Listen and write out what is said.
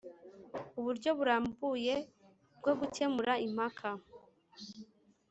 Uburyo burambuye bwo gukemura impaka